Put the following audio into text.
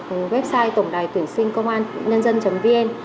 em truy cập vào website tổng đài tuyển sinh công an nhân dân vn